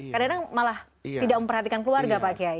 kadang kadang malah tidak memperhatikan keluarga pak kiai